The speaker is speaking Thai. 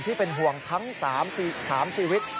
ที่เป็นห่วงทั้ง๓ชีวิต